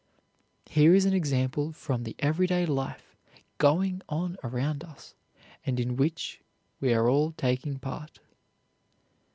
Here is an example from the everyday life going on around us and in which we are all taking part.